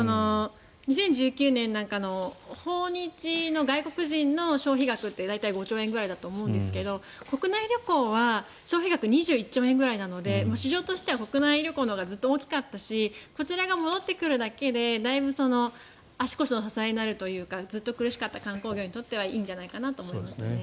２０１９年なんかの訪日の外国人の消費額って大体５兆円ぐらいだと思うんですが国内旅行は消費額２１兆円くらいなので市場としては国内旅行のほうがずっと大きかったしこちらが戻ってくるだけでだいぶ足腰の支えになるというかずっと苦しかった観光業にとってはいいのかなと思いますね。